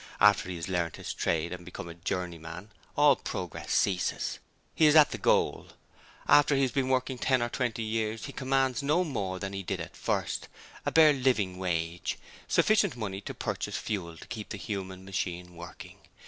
After he has learnt his trade and become a 'journeyman' all progress ceases. He is at the goal. After he has been working ten or twenty years he commands no more than he did at first a bare living wage sufficient money to purchase fuel to keep the human machine working.